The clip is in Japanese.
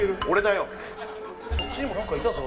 そっちにも何かいたぞ